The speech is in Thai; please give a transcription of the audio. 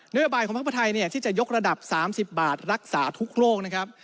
นโยบายของพักเพื่อไทยที่จะยกระดับ๓๐บาทรักษาทุกโรคนะครับ